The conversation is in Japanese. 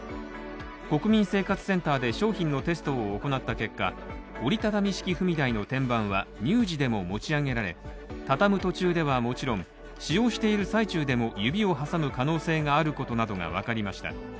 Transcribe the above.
国民生活センターで商品のテストを行った結果折り畳み式踏み台の天板は乳児でも持ち上げられ畳む途中ではもちろん、使用している最中でも指を挟む可能性があることなどが分かりました。